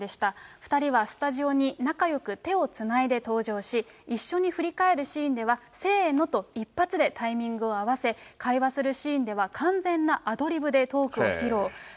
２人はスタジオに仲よく手をつないで登場し、一緒に振り返るシーンでは、せーのと一発でタイミングを合わせ、会話するシーンでは完全なアドリブでトークを披露。